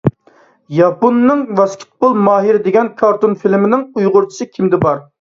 ياپوننىڭ «ۋاسكېتبول ماھىرى» دېگەن كارتون فىلىمىنىڭ ئۇيغۇرچىسى كىمدە بار؟